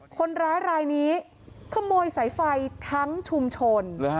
คนร้ายรายนี้ขโมยสายไฟทั้งชุมชน